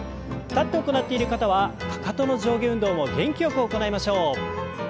立って行っている方はかかとの上下運動も元気よく行いましょう。